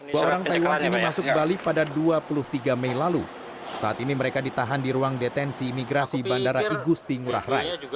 dua orang taiwan ini masuk bali pada dua puluh tiga mei lalu saat ini mereka ditahan di ruang detensi imigrasi bandara igusti ngurah rai